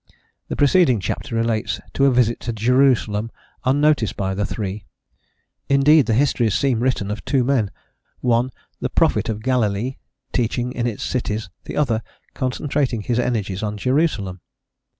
the preceding chapter relates to a visit to Jerusalem unnoticed by the three: indeed, the histories seem written of two men, one the "prophet of Galilee" teaching in its cities, the other concentrating his energies on Jerusalem.